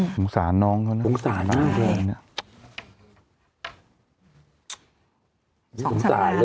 สงสารน้องก่อนนะครับสงสารมากเลยนะครับสงสารมากเลยนะครับสงสารมากเลยนะครับ